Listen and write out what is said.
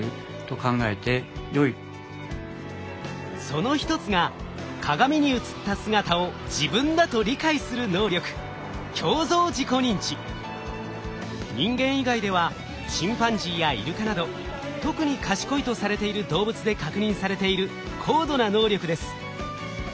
その一つが鏡に映った姿を自分だと理解する能力人間以外ではチンパンジーやイルカなど特に賢いとされている動物で確認されている高度な能力です。